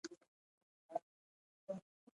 زراعت د افغانستان د شنو سیمو ښکلا ده.